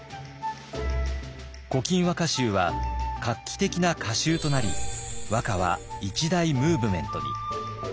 「古今和歌集」は画期的な歌集となり和歌は一大ムーブメントに。